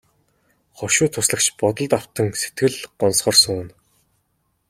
Хошуу туслагч бодолд автан сэтгэл гонсгор сууна.